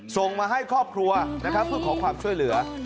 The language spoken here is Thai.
ส่งมาให้ครอบครัวนะครับเพื่อขอความช่วยเหลือ